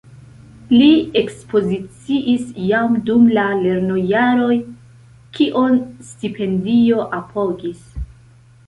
Li ekspoziciis jam dum la lernojaroj, kion stipendio apogis.